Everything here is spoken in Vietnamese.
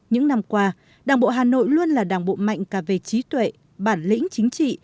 những năm qua đảng bộ hà nội luôn là đảng bộ mạnh cả về trí tuệ bản lĩnh chính trị